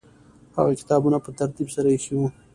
هغه کتابونه په ترتیب سره ایښي وو.